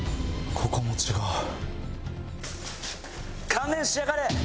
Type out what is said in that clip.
観念しやがれ！